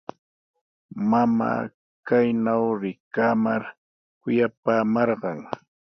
Mamaa kaynaw rikamar kuyapaamarqan.